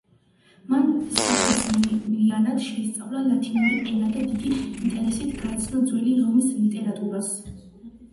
მან საფუძვლიანად შეისწავლა ლათინური ენა და დიდი ინტერესით გაეცნო ძველი რომის ლიტერატურას.